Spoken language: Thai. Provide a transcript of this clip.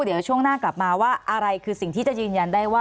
เดี๋ยวช่วงหน้ากลับมาว่าอะไรคือสิ่งที่จะยืนยันได้ว่า